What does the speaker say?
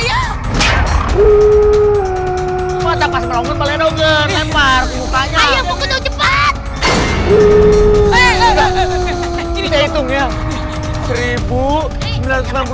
ya udah gue tuang langsung tau